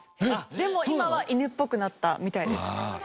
でも今は犬っぽくなったみたいです。